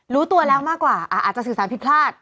รู้ตัวแล้วมากกว่าอาจจะสื่อสารผิดพลาด